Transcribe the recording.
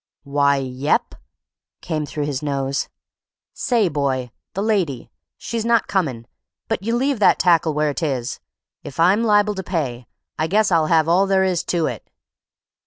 "Why, yep!" came through his nose. "Say, boy, the lady, she's not comin', but you leave that tackle where 'tis. If I'm liable to pay, I guess I'll have all there is to it."